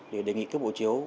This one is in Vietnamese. để đề nghị cấp hộ chiếu